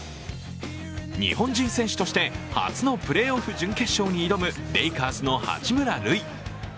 日本人選手として初のプレーオフ準決勝に挑むレイカーズの八村塁。